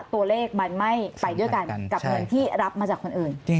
ตัวเลขมันไม่ไปด้วยกันกับเงินที่รับมาจากคนอื่น